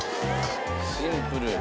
シンプル。